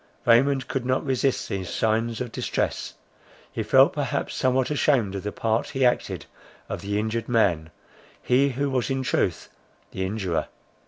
Raymond could not resist these signs of distress: he felt perhaps somewhat ashamed of the part he acted of the injured man, he who was in truth the injurer.